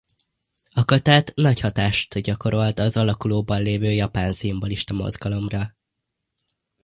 A kötet nagy hatást gyakorolt az alakulóban levő japán szimbolista mozgalomra.